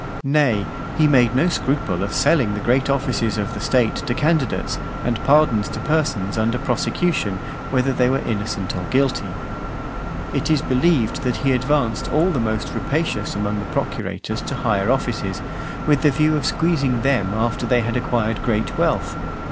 Nay, he made no scruple of selling the great offices of the state to candidates, and pardons to persons under prosecution, whether they were innocent or guilty. It is believed, that he advanced all the most rapacious amongst the procurators to higher offices, with the view of squeezing them after they had acquired great wealth.